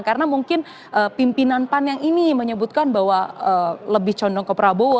karena mungkin pimpinan pan yang ini menyebutkan bahwa lebih condong ke prabowo